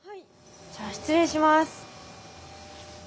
じゃあ失礼します。